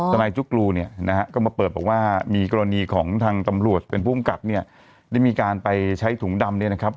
นายจุ๊กรูเนี่ยนะฮะก็มาเปิดบอกว่ามีกรณีของทางตำรวจเป็นผู้กำกับเนี่ยได้มีการไปใช้ถุงดำเนี่ยนะครับ